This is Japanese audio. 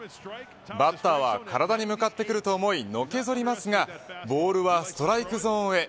バッターは体に向かってくると思い、のけぞりますがボールはストライクゾーンへ。